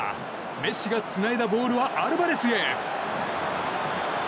メッシがつないだボールはアルバレスへ。